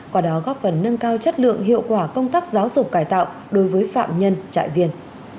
quả đó góp phần nâng cao chất lượng hiệu quả công tác giáo dục cải tạo đối với phạm nhân trại viên